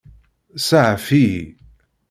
Saɛef-iyi.